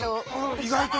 意外とね。